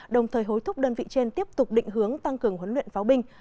đồng thời hối thúc đơn vị trên tiếp tục định hướng tăng cường huấn luyện pháo binh